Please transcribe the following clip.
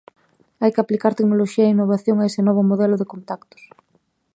Hai que aplicar tecnoloxía e innovación a ese novo modelo de contactos.